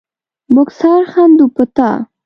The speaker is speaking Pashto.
مونږ سر ښندو په تا